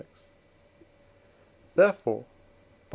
therefore (IV.